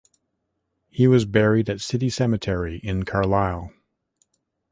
He was buried at City Cemetery in Carlisle.